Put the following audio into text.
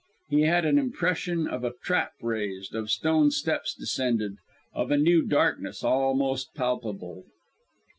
He had an impression of a trap raised, of stone steps descended, of a new darkness almost palpable.